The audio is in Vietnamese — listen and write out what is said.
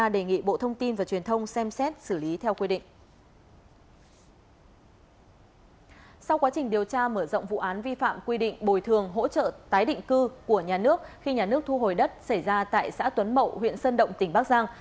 dọng vụ án vi phạm quy định bồi thường hỗ trợ tái định cư của nhà nước khi nhà nước thu hồi đất xảy ra tại xã tuấn mậu huyện sơn động tỉnh bắc giang